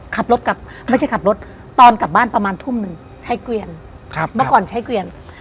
ขับรถกลับไม่ใช่ขับรถตอนกลับบ้านประมาณทุ่มหนึ่งใช้เกวียนเมื่อก่อนใช้เกวียน